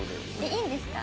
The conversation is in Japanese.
いいんですか？